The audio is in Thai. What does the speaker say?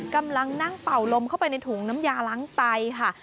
กำลังนั่งเป่าลมเข้าไปในถุงน้ำยาล้างไตค่ะ